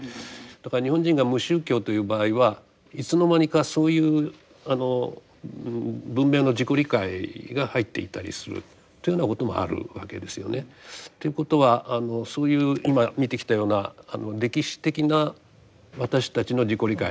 だから日本人が無宗教という場合はいつの間にかそういう文明の自己理解が入っていたりするというようなこともあるわけですよね。ということはそういう今見てきたような歴史的な私たちの自己理解。